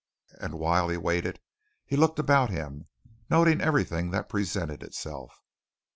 And while he waited he looked about him, noting everything that presented itself.